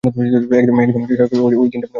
একদম সেরকম যেমনটা ওইদিন খেয়েছেন।